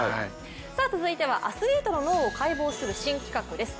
続いてはアスリートの脳を解剖する新企画です。